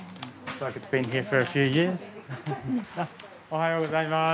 おはようございます。